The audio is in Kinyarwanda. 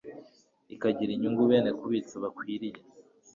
ikagena inyungu bene kubitsa bakwiriye